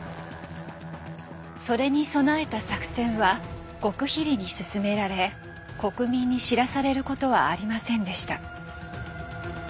それに備えた作戦は極秘裏に進められ国民に知らされることはありませんでした。